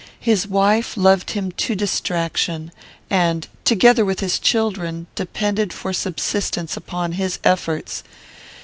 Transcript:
His wife loved him to distraction, and, together with his children, depended for subsistence upon his efforts.